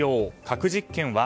核実験は？